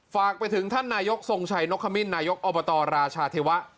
ฝากไปถึงท่านนายกทรงชัยนกขมิ้นนายกอบตราชาเทวะ